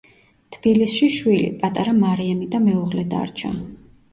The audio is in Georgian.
თბილისში შვილი, პატარა მარიამი და მეუღლე დარჩა.